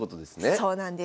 そうなんです。